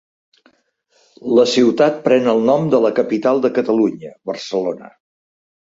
La ciutat pren el nom de la capital de Catalunya, Barcelona.